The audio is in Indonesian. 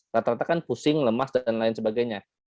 rata rata kan pusing lemas dan lain sebagainya